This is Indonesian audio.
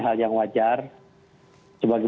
hal yang wajar sebagai